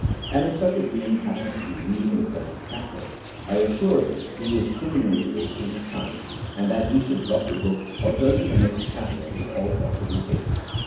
And if such a being happens to be reading the present chapter I assure him he is criminally wasting his time, and that he should drop the book or turn to the next chapter with all possible haste.